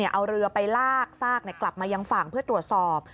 เอาเรือไปลากซากกลับมายังฝั่งเพื่อตรวจสอบ